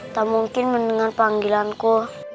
tak mungkin mendengar panggilanku